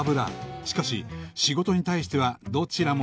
しかし仕事に対してはどちらもひたむき